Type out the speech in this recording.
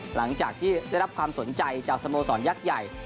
หลังจากที่ได้รับความสนใจจากสโมสรยักษ์ใหญ่